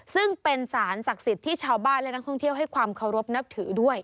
ซึ่งเป็นสารศักดิ์สิทธิ์ที่ชาวบ้านและนักท่องเที่ยวให้ความเคารพนับถือด้วย